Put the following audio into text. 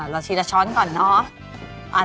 เราทีละช้อนก่อนเนอะ